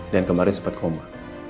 dan kemarin sempat koma